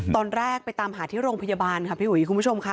ตอนแรกไปตามหาที่โรงพยาบาลคุณผู้ชมค่ะ